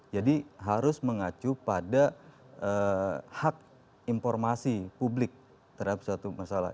jadi harus mengacu pada hak informasi publik terhadap suatu masalah